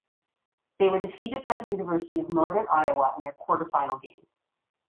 They were defeated by the University of Northern Iowa in their quarterfinal game.